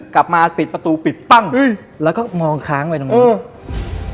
กลับมาปิดประตูปิดปั้งแล้วก็มองค้างไว้ตรงนี้